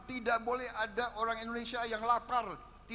tidak boleh ada orang indonesia yang lapar